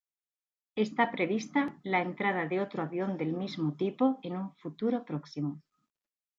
Está prevista la entrada de otro avión del mismo tipo en un futuro próximo.